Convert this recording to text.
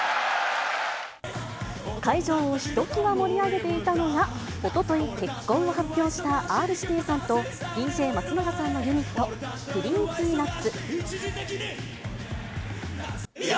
会場をひときわ盛り上げていたのが、おととい結婚を発表したＲー指定さんと、ＤＪ松永さんのユニット、ＣｒｅｅｐｙＮｕｔｓ。